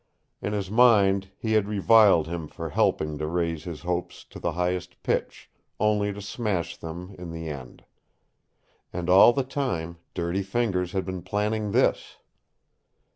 In his mind he had reviled him for helping to raise his hopes to the highest pitch, only to smash them in the end. And all the time Dirty Fingers had been planning this!